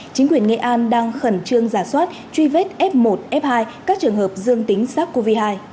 chính quyền nghệ an đang khẩn trương giả soát truy vết f một f hai các trường hợp dương tính sars cov hai